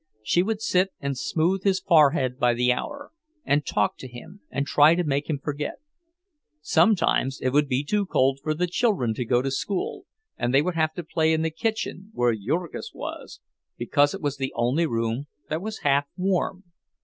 She would sit and smooth his forehead by the hour, and talk to him and try to make him forget. Sometimes it would be too cold for the children to go to school, and they would have to play in the kitchen, where Jurgis was, because it was the only room that was half warm.